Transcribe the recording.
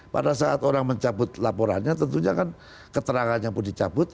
pada saat orang mencabut laporannya tentunya kan keterangannya pun dicabut